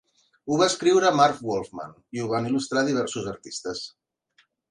Ho va escriure Marv Wolfman i ho van il·lustrar diversos artistes.